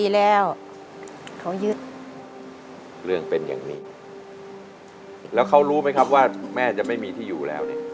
แล้วเขารู้ไหมครับว่าแม่จะไม่มีที่อยู่แล้วเนี่ย